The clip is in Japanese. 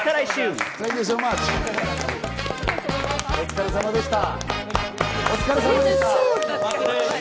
お疲れ様でした！